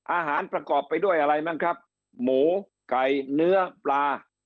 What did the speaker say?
ประกอบไปด้วยอะไรมั้งครับหมูไก่เนื้อปลา